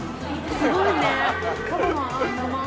すごいね。